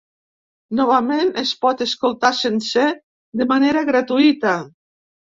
Novament es pot escoltar sencer de manera gratuïta.